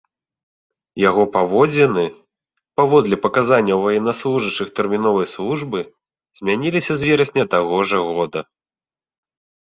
Яго паводзіны, паводле паказанняў ваеннаслужачых тэрміновай службы, змяніліся з верасня таго ж года.